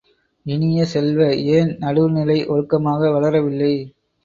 இனிய செல்வ, ஏன் நடுவு நிலை ஒழுக்கமாக வளரவில்லை.